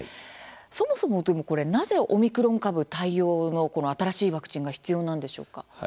そもそもなぜオミクロン株対応の新しいワクチンが必要なのでしょうか？